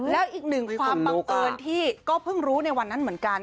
แล้วอีกหนึ่งความบังเอิญที่ก็เพิ่งรู้ในวันนั้นเหมือนกัน